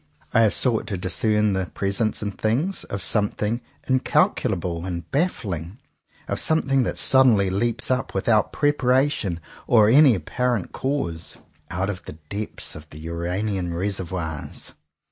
I have sought to discern the presence in things, of something incalcul able and baffling, of something that sudden ly leaps up without preparation or any ap parent cause, out of the depths of the Uranian reservoirs.